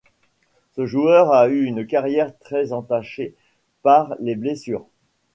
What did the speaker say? Ce joueur a eu une carrière très entachée par les blessures.